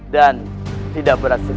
dan tidak berat sebelah